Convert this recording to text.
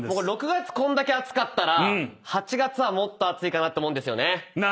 ６月こんだけ暑かったら８月はもっと暑いかなと思うんですよね。